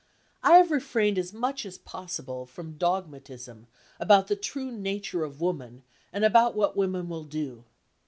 I have refrained as much as possible from dogmatism about the true nature of Woman and about what women will do.